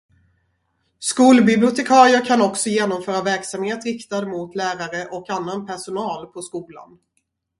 Skolbibliotekarier kan också genomföra verksamhet riktad mot lärare och annan personal på skolan.